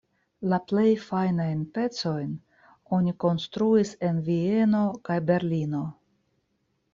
La plej fajnajn pecojn oni konstruis en Vieno kaj Berlino.